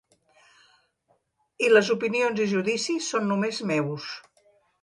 I les opinions i judicis són només meus.